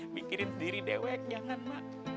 mikirin sendiri dewek jangan mak